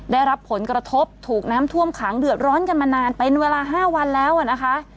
ได้รับผลกระทบถูกน้ำท่วมขังเดือดร้อนกันมานานเป็นเวลา๕วันแล้วนะคะ